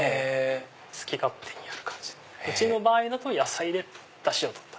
好き勝手にやる感じでうちは野菜でダシを取った。